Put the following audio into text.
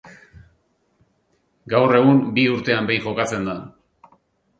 Gaur egun bi urtean behin jokatzen da.